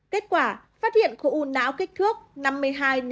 kết quả phát hiện khổ u não kích thước năm mươi hai x năm mươi ba mm